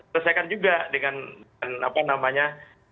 selesaikan juga dengan apa namanya